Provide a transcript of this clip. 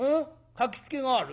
書きつけがある？